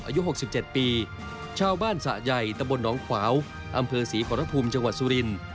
อายุ๖๗ปีชาวบ้านสระใหญ่ตะบลน้องขวาวอำเภอศรีพรพุมจังหวัดสุริน